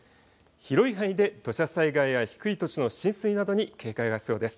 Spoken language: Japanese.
広い範囲で土砂災害や低い土地の浸水などに警戒が必要です。